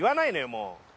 もう。